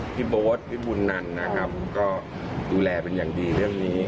พี่โบ๊ทพี่บุญนันนะครับก็ดูแลเป็นอย่างดีเรื่องนี้